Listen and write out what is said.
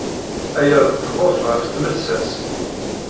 Aya d ttbut ɣef tmelsa-s.